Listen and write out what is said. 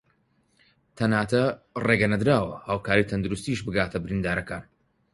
تەناتە رێگە نەدراوە هاوکاری تەندروستیش بگاتە بریندارەکان